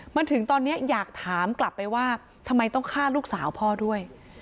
มันถึงตอนนี้อยากถามกลับไปว่าทำไมต้องฆ่าลูกสาวพ่อด้วย